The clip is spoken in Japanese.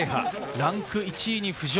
ランク１位に浮上。